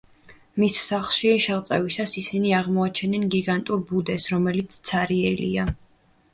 მის სახლში შეღწევისას ისინი აღმოაჩენენ გიგანტურ ბუდეს, რომელიც ცარიელია.